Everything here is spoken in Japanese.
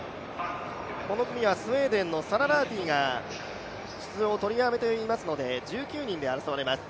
この組はスウェーデンのサラ・ラーティが出場を取りやめていますので、１９人で争われます。